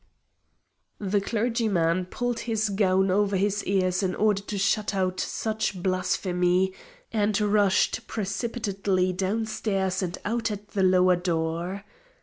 The clergyman pulled his gown over his ears in order to shut out such blasphemy, and rushed precipitately down stairs and out at the lower door.